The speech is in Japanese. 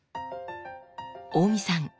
大見さん